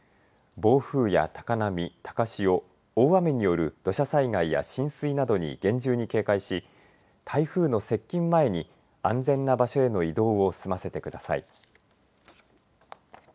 暴風や高波、高潮、大雨による土砂災害や浸水などに厳重に警戒し台風の接近前に安全な場所への移動を済ませてください。